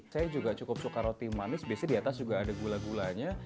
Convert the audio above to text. saya juga cukup suka roti manis biasanya di atas juga ada gula gulanya